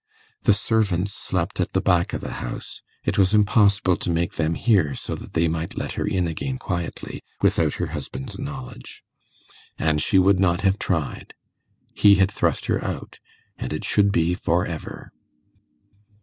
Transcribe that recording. The servants slept at the back of the house; it was impossible to make them hear, so that they might let her in again quietly, without her husband's knowledge. And she would not have tried. He had thrust her out, and it should be for ever.